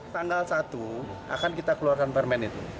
tanggal satu akan kita keluarkan permen itu